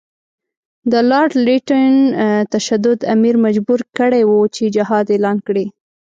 د لارډ لیټن تشدد امیر مجبور کړی وو چې جهاد اعلان کړي.